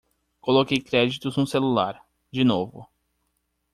Coloquei créditos no celular, de novo